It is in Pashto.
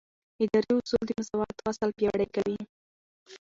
اداري اصول د مساوات اصل پیاوړی کوي.